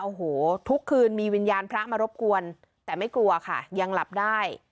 โอ้โหทุกคืนมีวิญญาณพระมารบกวนแต่ไม่กลัวค่ะยังหลับได้